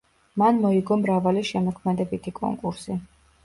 მან მოიგო მრავალი შემოქმედებითი კონკურსი.